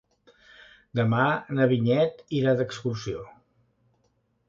Demà na Vinyet irà d'excursió.